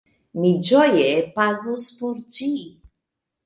Mi ĝoje pagus por ĝi!